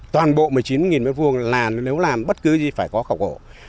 toàn bộ một mươi chín m hai là nếu làm bất cứ gì phải có khảo cổ